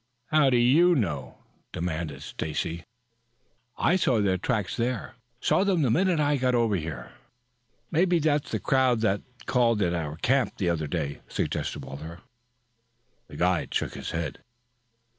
"How do you know?" demanded Stacy. "I see their tracks there. Saw them the minute I got over here." "Maybe that's the crowd that called at our camp the other day," suggested Walter. The guide shook his head.